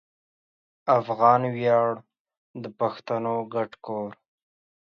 افغان ویاړ د پښتنو ګډ کور